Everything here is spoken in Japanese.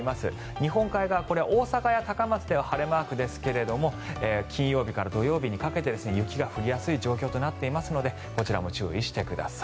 日本海側、これは大阪や高松では晴れマークですが金曜日から土曜日にかけて雪が降りやすい状況となっていますのでこちらも注意してください。